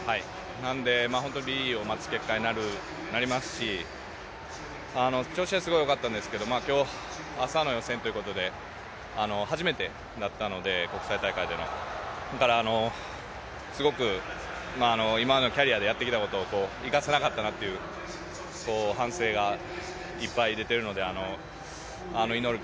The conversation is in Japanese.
なのでＢを待つ結果になりますし調子はすごいよかったんですけれども、今日朝の予選ということで初めてだったので、国際大会での、すごく今までのキャリアでやってきたことを生かせなかったということで、反省がいっぱい出てるので祈る